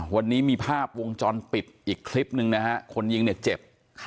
วันนี้มีภาพวงจรปิดอีกคลิปหนึ่งนะฮะคนยิงเนี่ยเจ็บ